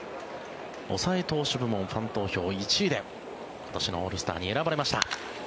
抑え投手部門ファン投票１位で今年のオールスターに選ばれました。